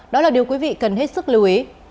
đó là điều quý vị cần hết sức lưu ý